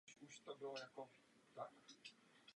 Na jihu sousedí se státem Oklahoma.